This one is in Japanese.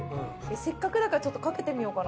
せっかくだからちょっとかけてみようかな。